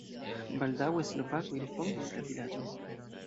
Baldaŭe slovakoj refondis la vilaĝon.